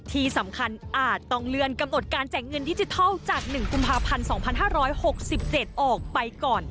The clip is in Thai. ที่สำคัญอาจต้องเลื่อนกำหนดการแจกเงินดิจิทัลจาก๑กุมภาพันธ์๒๕๖๗ออกไปก่อน